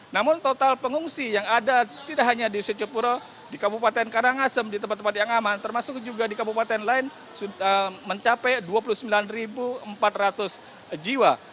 namun total pengungsi yang ada tidak hanya di secepuro di kabupaten karangasem di tempat tempat yang aman termasuk juga di kabupaten lain sudah mencapai dua puluh sembilan empat ratus jiwa